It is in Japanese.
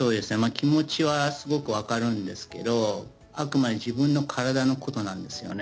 気持ちはすごく分かるんですけれどあくまで自分の体のことなんですよね。